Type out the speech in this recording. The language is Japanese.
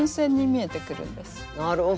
なるほどね。